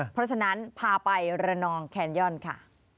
เพราะฉะนั้นพาไประนองแคนย่อนค่ะ